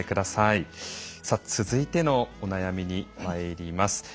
続いてのお悩みにまいります。